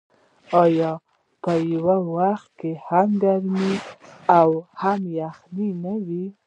آیا په یو وخت کې هم ګرمي او هم یخني نه وي؟